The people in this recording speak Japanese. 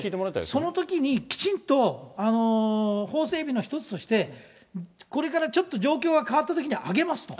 そのときにきちんと法整備の一つとして、これからちょっと状況が変わったときに上げますと。